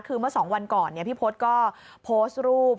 คือเมื่อ๒วันก่อนพี่พศก็โพสต์รูป